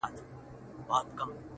د سیالانو سره کله به سمېږې-